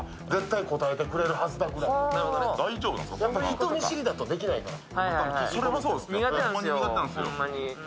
人見知りだとできないから。